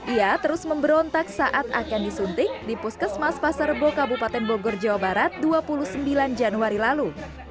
ia terus memberontak saat akan disuntik di puskesmas pasar bo kabupaten bogor jawa barat dua puluh sembilan januari lalu